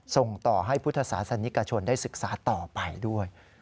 ส่งต่อให้พุทธศาสนิกชนได้ศึกษาต่อไปด้วย